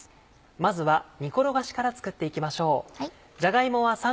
まずは煮ころがしから作っていきましょう。